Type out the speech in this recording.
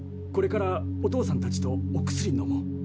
これからお父さんたちとお薬のもう。